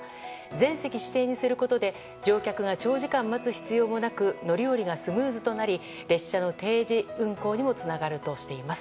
全席指定にすることで乗客が長時間待つ必要もなく乗り降りがスムーズとなり列車の定時運行にもつながるとしています。